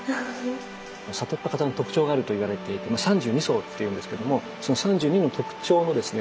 悟った方の特徴があるといわれていて「三十二相」と言うんですけどもその三十二の特徴のですね